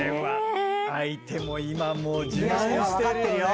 相手も今もう自慢してるよね。